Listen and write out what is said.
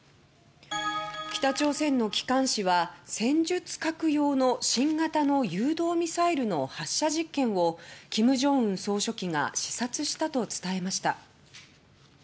北朝鮮の機関紙は戦術核用の新型の誘導ミサイルの発射実験を金正恩総書記が視察したと伝えました。